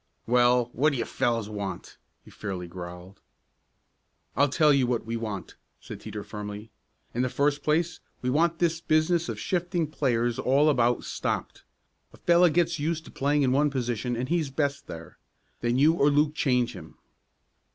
"Well, what do you fellows want?" he fairly growled. "I'll tell you what we want," said Teeter firmly. "In the first place we want this business of shifting players all about, stopped. A fellow gets used to playing in one position and he's best there. Then you or Luke change him."